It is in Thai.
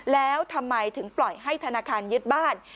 แล้วทำไมถึงปล่อยให้ธนาคารยึดบ้าน